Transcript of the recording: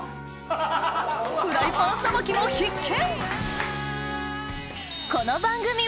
フライパンさばきも必見！